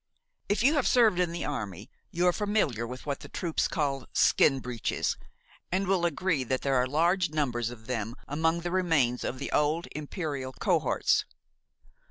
If you have served in the army, you are familiar with what the troops call skin breeches, and will agree that there are large numbers of them among the remains of the old imperial cohorts.